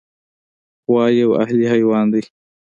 غوا یو اهلي حیوان دی.